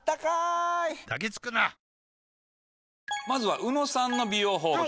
まずは宇野さんの美容法